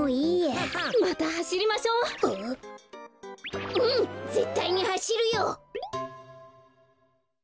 ぜったいにはしるよ！